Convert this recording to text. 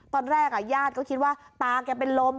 ตอนแรกญาติก็คิดว่าตาแกเป็นลม